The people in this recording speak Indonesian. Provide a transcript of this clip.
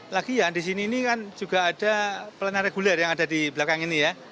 lagi yang di sini ini kan juga ada pelayanan reguler yang ada di belakang ini ya